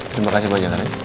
terima kasih mbak janganan